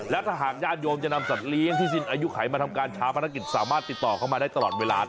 และถ้าหากญาติโยมจะนำสัตว์เลี้ยงที่สิ้นอายุไขมาทำการชาวพนักกิจสามารถติดต่อเข้ามาได้ตลอดเวลา